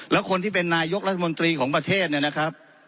แล้วคนที่เป็นนายกรัฐมนตรีของประเทศเนี่ยนะครับ